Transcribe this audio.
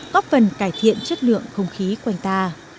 góp phần cải thiện chất lượng không khí quanh ta